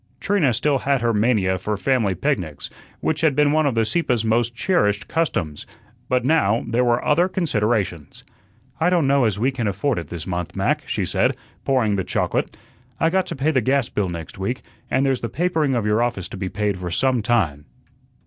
Trina still had her mania for family picnics, which had been one of the Sieppes most cherished customs; but now there were other considerations. "I don't know as we can afford it this month, Mac," she said, pouring the chocolate. "I got to pay the gas bill next week, and there's the papering of your office to be paid for some time."